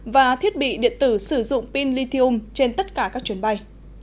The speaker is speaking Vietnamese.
và thiết bị điện tử sử dụng pin lithium trên tất cả các chuyến bay